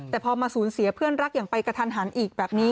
แต่พอมาสูญเสียเพื่อนรักอย่างไปกระทันหันอีกแบบนี้